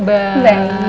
baik bu rosa